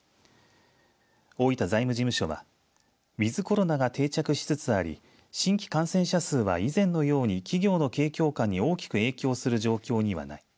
大分財務事務所はウィズコロナが定着しつつあり新規感染者数は以前のように企業の景況感に大きく影響する状況にはない。